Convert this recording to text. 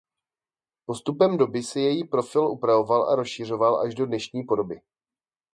Postupem doby se její profil upravoval a rozšiřoval až do dnešní podoby.